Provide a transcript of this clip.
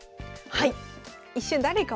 はい。